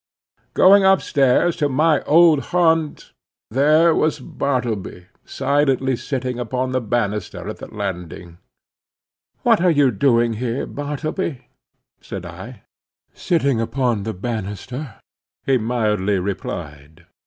Going up stairs to my old haunt, there was Bartleby silently sitting upon the banister at the landing. "What are you doing here, Bartleby?" said I. "Sitting upon the banister," he mildly replied.